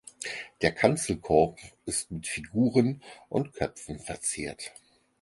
Der Kanzelkorb ist mit Figuren und Köpfen verziert.